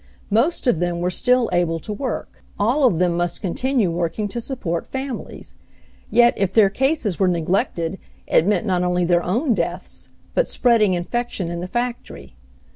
Most of them were THE IMPORTANCE OF A JOB 163 still able to work, all of them must continue work ing to support families. Yet, if their cases were neglected it meant not only their own deaths, but spreading infection in the factory.